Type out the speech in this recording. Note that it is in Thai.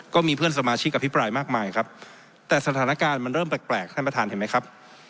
ก็มีเพื่อนสมาชิกอภิปรายมากมายครับแต่สถานการณ์มันเริ่มแปลกท่านประธานเห็นไหมครับ